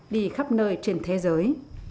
đi khắp nơi trên thế giới